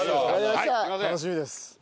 楽しみです。